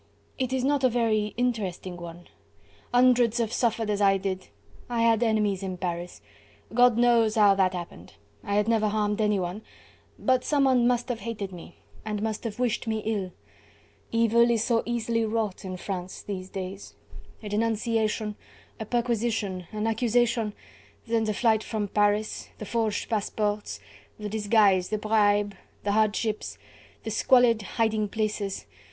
"It is not a very interesting one. Hundreds have suffered as I did. I had enemies in Paris. God knows how that happened. I had never harmed anyone, but someone must have hated me and must have wished me ill. Evil is so easily wrought in France these days. A denunciation a perquisition an accusation then the flight from Paris... the forged passports... the disguise... the bribe... the hardships... the squalid hiding places....